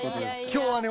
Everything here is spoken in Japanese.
今日はね